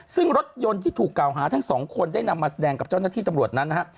ซึ่งรถยนต์ที่ถูกกล่าวหาทั้งสองคนได้นำมาแสดงกับเจ้าหน้าที่ตำรวจนั้นนะฮะ